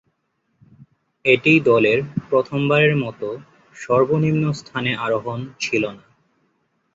এটিই দলের প্রথমবারের মতো সর্বনিম্ন স্থানে আরোহণ ছিল না।